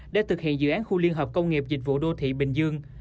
để thực hiện dự án khu liên hợp công nghiệp dịch vụ đô thị bình dương